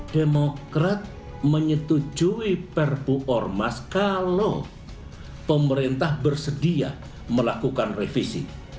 demokrat menyetujui perpu ormas kalau pemerintah bersedia melakukan revisi